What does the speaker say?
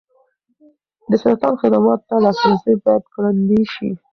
د سرطان خدماتو ته لاسرسی باید ګړندی شي.